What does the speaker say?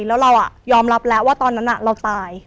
แล้วเรายอมรับแล้วว่าตอนนั้นเราตาย